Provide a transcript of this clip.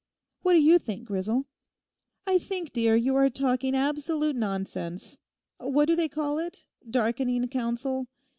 What do you think, Grisel?' 'I think, dear, you are talking absolute nonsense; what do they call it—"darkening counsel"?